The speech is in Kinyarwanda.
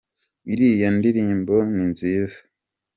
iriya ndirimbo ni nziza.